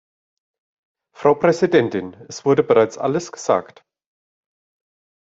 Frau Präsidentin, es wurde bereits Alles gesagt.